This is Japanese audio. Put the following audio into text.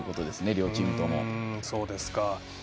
両チームとも。